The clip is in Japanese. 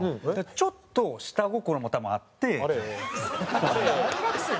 ちょっと下心も多分あってその。